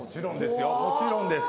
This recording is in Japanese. もちろんです。